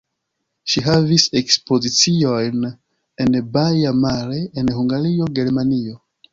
Ŝi havis ekspoziciojn en Baia Mare; en Hungario, Germanio.